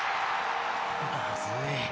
まずい。